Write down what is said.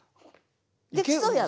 できそうやろ？